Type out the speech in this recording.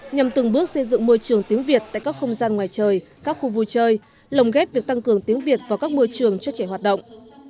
nhằm từng bước xây dựng môi trường tiếng việt tại các không gian ngoài trời các khu vui chơi lồng ghép việc tăng cường tiếng việt vào các môi trường cho trẻ hoạt động